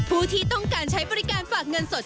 ผู้ที่ต้องการใช้บริการฝากเงินสด